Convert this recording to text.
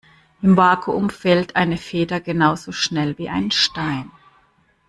Im Vakuum fällt eine Feder genauso schnell wie ein Stein.